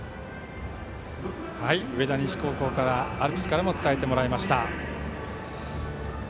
上田西高校のアルプスからも伝えてもらいました。